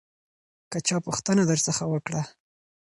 که چا پوښتنه درڅخه وکړه